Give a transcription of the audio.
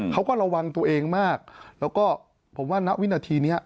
เขาก็ระวังตัวเองมากแล้วก็ผมว่าณวินาทีนี้